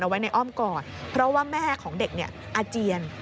ไว้ในอ้อมก่อนเพราะว่าแม่ของเด็กเนี่ยอาเจียน